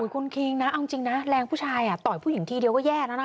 คุณคิงนะเอาจริงนะแรงผู้ชายต่อยผู้หญิงทีเดียวก็แย่แล้วนะ